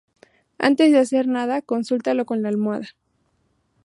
Antes de hacer nada, consúltalo con la almohada